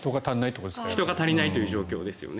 人が足りないということですかね。